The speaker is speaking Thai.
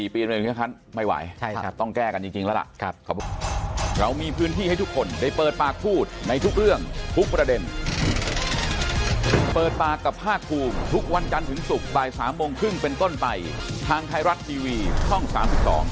๔ปีกันไม่ไหวต้องแก้กันจริงแล้วล่ะ